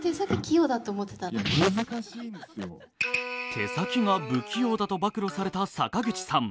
手元が不器用だと暴露された坂口さん。